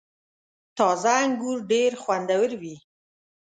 • تازه انګور ډېر خوندور وي.